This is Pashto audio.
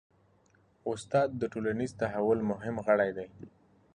استاد د ټولنیز تحول مهم غړی دی.